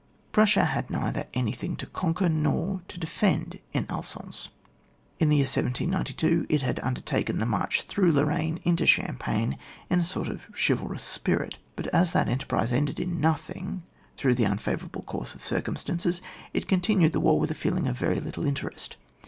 Prussia had neither anything to con quer nor to defend in Alsace. In the year 1792 it had undertaken the march through Lorraine into Champagne in a sort of chivalrous spirit But as that enterprise ended in nothing, throuigh the unfavourable course of circumstances, it continued the war with a feeling of very little interest.